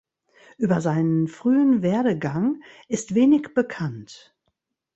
Über seinen frühen Werdegang ist wenig bekannt.